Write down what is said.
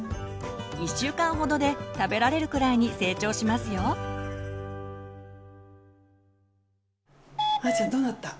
１週間ほどで食べられるくらいに成長しますよ！はちゃんどうなった？